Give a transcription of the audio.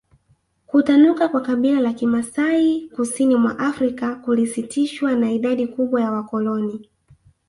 Kutanuka kwa kabila la Kimasai kusini mwa Afrika kulisitishwa na idadi kubwa ya wakoloni